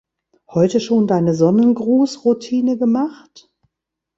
Heute schon deine Sonnengruß-Routine gemacht?